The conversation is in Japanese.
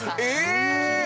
え！